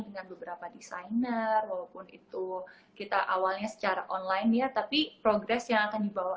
dengan beberapa desainer walaupun itu kita awalnya secara online ya tapi progres yang akan dibawa